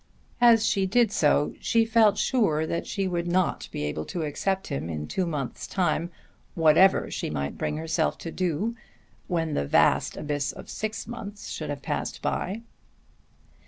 As she did so she felt sure that she would not be able to accept him in two months' time whatever she might bring herself to do when the vast abyss of six months should have passed by.